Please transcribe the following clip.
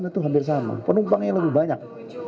itu hampir sama penumpangnya lebih banyak